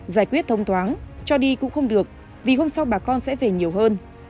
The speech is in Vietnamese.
giải quyết thông thoáng cho đi cũng không được vì hôm sau bà con sẽ về nhiều hơn